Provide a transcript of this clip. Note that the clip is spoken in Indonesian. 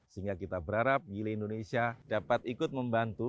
sehingga kita berharap yili indonesia dapat ikut membantu